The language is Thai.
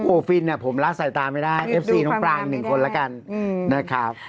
ฟินเนี่ยผมละสายตาไม่ได้เอฟซีน้องปรางหนึ่งคนละกันนะครับ